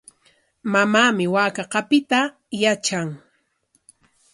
Mamaami waaka qapiytaqa yatran.